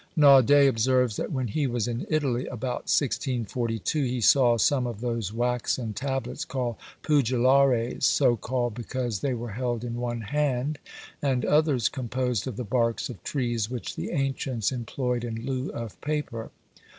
Naudé observes, that when he was in Italy, about 1642, he saw some of those waxen tablets, called Pugillares, so called because they were held in one hand; and others composed of the barks of trees, which the ancients employed in lieu of paper.